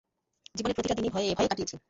জীবনের প্রতিটা দিনই ভয়ে ভয়ে কাটিয়েছি।